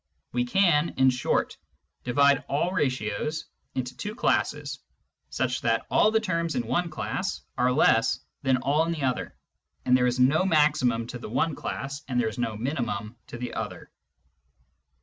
We can, in short, divide all ratios into two classes such that all the terms in one class are less than all in the other, there is no maximum to the one class, and there is no minimum to the other.